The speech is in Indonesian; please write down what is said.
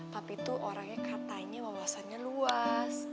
tapi tuh orangnya katanya wawasannya luas